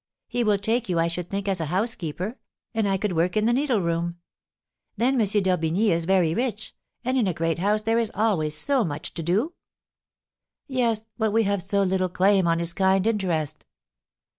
He will take you, I should think, as a housekeeper, and I could work in the needle room. Then M. d'Orbigny is very rich, and in a great house there is always so much to do." "Yes; but we have so little claim on his kind interest!"